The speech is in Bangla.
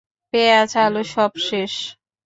পেঁয়াজ, আলু সব শেষ।